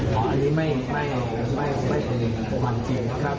ข้อบรรยายคุณครับ